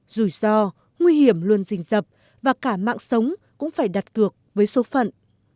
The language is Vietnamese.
rủi ro nguy hiểm luôn dình dập và cả mạng sống cũng phải đặt cược với số phận